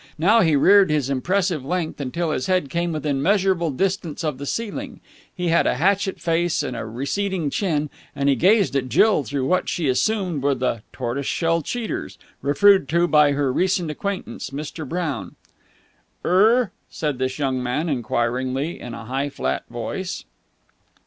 Now he reared his impressive length until his head came within measurable distance of the ceiling. He had a hatchet face and a receding chin, and he gazed at Jill through what she assumed were the "tortoise shell cheaters" referred to by her recent acquaintance, Mr. Brown. "Er...?" said this young man enquiringly in a high, flat voice.